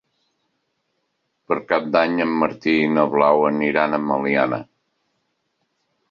Per Cap d'Any en Martí i na Blau aniran a Meliana.